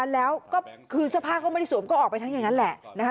แล้วก็คือสภาพเข้ามาที่สวมก็ออกไปทั้งอย่างนั้นแหละ